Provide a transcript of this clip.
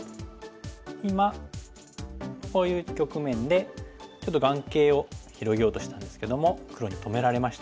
今こういう局面でちょっと眼形を広げようとしたんですけども黒に止められました。